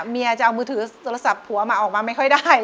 เมียจะเอามือถือโทรศัพท์ผัวมาออกมาไม่ค่อยได้